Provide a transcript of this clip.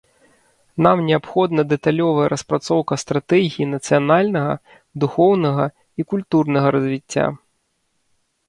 Нам неабходная дэталёвая распрацоўка стратэгіі нацыянальнага духоўнага і культурнага развіцця.